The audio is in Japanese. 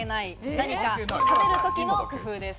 何か食べるときの工夫です。